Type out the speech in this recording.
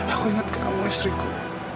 aku ingat kamu istriku